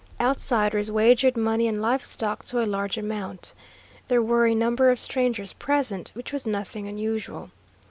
Outsiders wagered money and livestock to a large amount. There were a number of strangers present, which was nothing unusual.